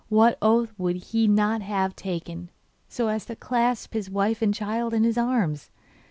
What oath would he not have taken so as to clasp his wife and child in is arms?